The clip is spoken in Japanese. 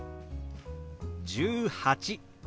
「１８」。